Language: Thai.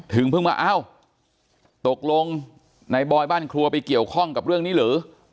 เพิ่งมาเอ้าตกลงในบอยบ้านครัวไปเกี่ยวข้องกับเรื่องนี้หรือ